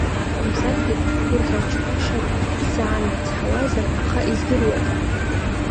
Мамзаргьы, гәырӷьаҿҳәашак сзаанацҳауазар, аха издыруада!